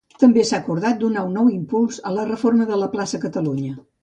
També s'ha acordat donar un nou impuls a la reforma de la plaça Catalunya.